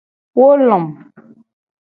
Wo lom.